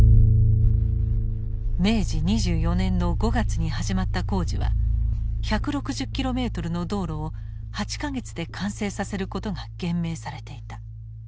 明治２４年の５月に始まった工事は１６０キロメートルの道路を８か月で完成させることが厳命されていた。